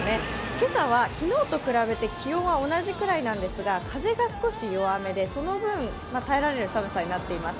今朝は昨日と比べて気温は同じくらいなんですが、風が少し弱めでその分、耐えられる寒さになっています。